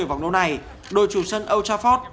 ở vòng đấu này đội chủ sân old trafford